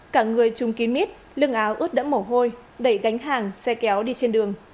cả người chung kín mít lưng áo ướt đẫm mổ hôi đẩy gánh hàng xe kéo đi trên đường